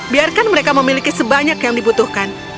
biarkan mereka memiliki sebanyak yang dibutuhkan